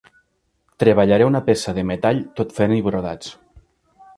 Treballaré una peça de metall tot fent-hi brodats.